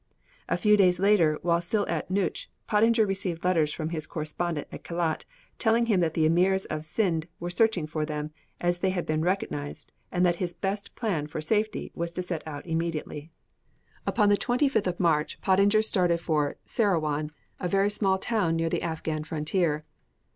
A few days later, while still at Noutch, Pottinger received letters from his correspondent at Kelat, telling him that the emirs of Scinde were searching for them, as they had been recognized, and that his best plan for safety was to set out immediately. Upon the 25th of March Pottinger started for Serawan, a very small town near the Afghan frontier.